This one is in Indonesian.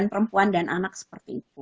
perempuan dan anak seperti itu